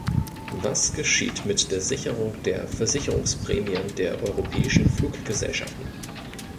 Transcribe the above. Was geschieht mit der Sicherung der Versicherungsprämien der europäischen Fluggesellschaften?